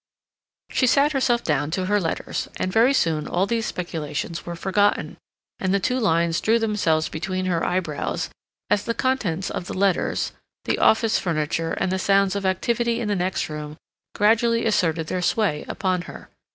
She sat herself down to her letters, and very soon all these speculations were forgotten, and the two lines drew themselves between her eyebrows, as the contents of the letters, the office furniture, and the sounds of activity in the next room gradually asserted their sway upon her.